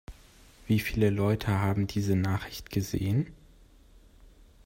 Wie viele Leute haben diese Nachricht gesehen?